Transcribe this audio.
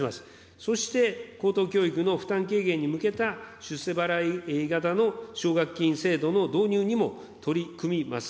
そして、高等教育の負担軽減に向けた出世払い型の奨学金制度の導入にも取り組みます。